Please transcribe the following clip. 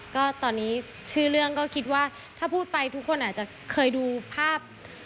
ก็ตอนนี้ชื่อเรื่องก็คิดว่าถ้าพูดไปทุกคนอาจจะเคยดูภาพ